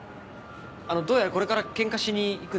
あのどうやらこれからケンカしに行くんですね？